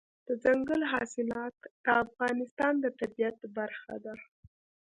دځنګل حاصلات د افغانستان د طبیعت برخه ده.